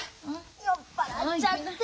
酔っ払っちゃって。